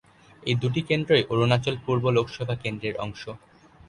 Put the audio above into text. এই দুটি কেন্দ্রই অরুণাচল পূর্ব লোকসভা কেন্দ্রের অংশ।